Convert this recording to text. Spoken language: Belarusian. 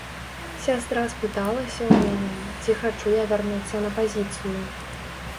Сястра спыталася ў мяне, ці хачу я вярнуцца на пазіцыю.